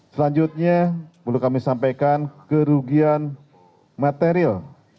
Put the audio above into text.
selanjutnya perlu kami sampaikan kerugian material